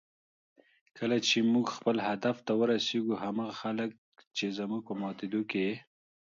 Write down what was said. کله چې موږ خپل هدف ته ورسېږو، هماغه خلک چې زموږ په ماتېدو یې